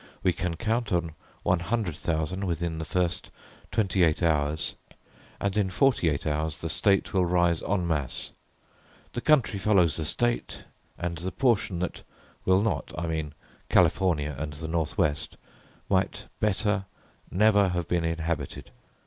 "We can count on one hundred thousand within the first twenty eight hours, and in forty eight hours the state will rise en masse. The country follows the state, and the portion that will not, I mean California and the Northwest, might better never have been inhabited.